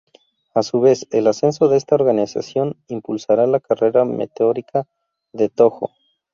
A su vez, el ascenso de esta organización impulsará la carrera meteórica de Tōjō.